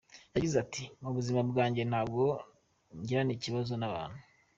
Yagize ati “Mu buzima bwanjye ntabwo ngirana ibibazo n’abantu.